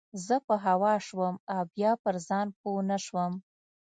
زه په هوا سوم او بيا پر ځان پوه نه سوم.